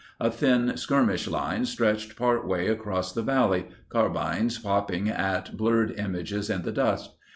A thin skirmish line stretched part way across the valley, carbines popping at blurred images in the dust.